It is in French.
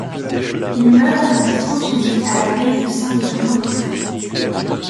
Il meurt le d'hydropisie à l'abbaye de Saint-Germain-des-Prés.